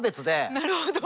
なるほど。